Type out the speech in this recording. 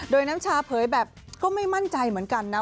โดยน้ำชาเผยแบบก็ไม่มั่นใจเหมือนกันนะ